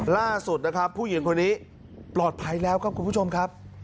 ล่าสุดนะครับผู้หญิงคนนี้ปลอดภัยแล้วครับคุณผู้ชมครับ